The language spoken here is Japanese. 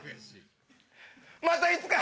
またいつか！